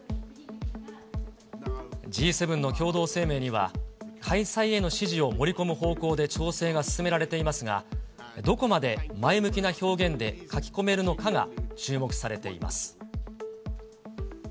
Ｇ７の共同声明には、開催への支持を盛り込む方向で調整が進められていますが、どこまで前向きな表現で書き込めるのかが注目されています。